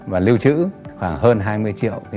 và lưu trữ khoảng hơn hai mươi triệu